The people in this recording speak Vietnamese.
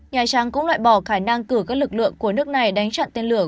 nhà trắng cũng loại bỏ khả năng cử các lực lượng của nước này đánh chặn tên lửa